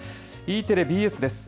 Ｅテレ、ＢＳです。